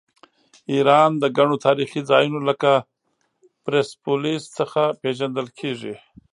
ایران د ګڼو تاریخي ځایونو لکه پرسپولیس څخه پیژندل کیږي.